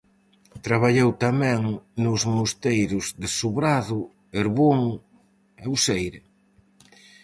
Traballou tamén nos mosteiros de Sobrado, Herbón e Oseira.